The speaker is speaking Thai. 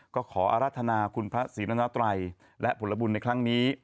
ก็ขออรัฐนาคุณพระศรีรณาตรัยและผลบุญในครั้งนี้